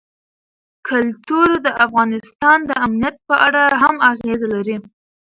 کلتور د افغانستان د امنیت په اړه هم اغېز لري.